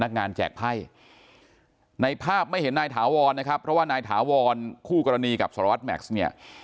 ในภาพไม่เห็นนายถาวรนะครับเพราะว่านายถาวรคู่กรณีกับสลัดแม็กซ์เนี่ย